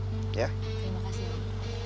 terima kasih om